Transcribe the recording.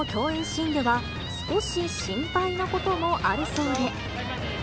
シーンでは、少し心配なこともあるそうで。